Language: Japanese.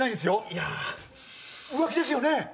いや浮気ですよね？